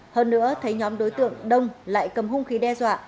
hơn nữa thấy nhóm đối tượng đông lại cầm hung khí đe dọa